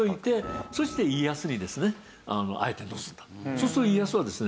そうすると家康はですね